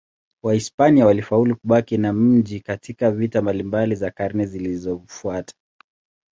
Wahispania walifaulu kubaki na mji katika vita mbalimbali za karne zilizofuata.